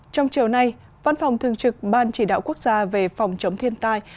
trong chiều nay văn phòng thường trực ban chỉ đạo quốc gia về phòng chống thiên tai